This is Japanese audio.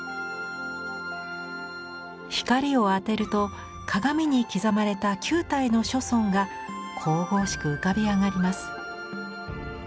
光を当てると鏡に刻まれた９体の諸尊が神々しく浮かび上がります。